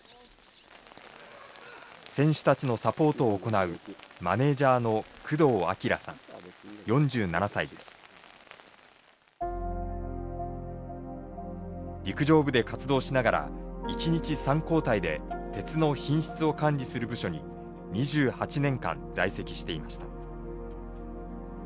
選手たちのサポートを行うマネージャーの陸上部で活動しながら一日３交代で鉄の品質を管理する部署に２８年間在籍していました。